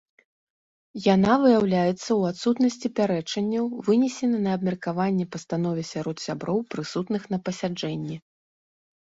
Яна выяўляецца ў адсутнасці пярэчанняў вынесенай на абмеркаванне пастанове сярод сяброў, прысутных на пасяджэнні.